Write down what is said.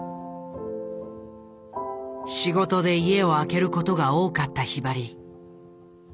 仕事で家を空ける事が多かったひばり。